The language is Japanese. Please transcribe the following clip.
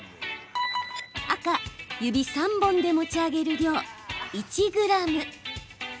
赤・指３本で持ち上げる量１ｇ。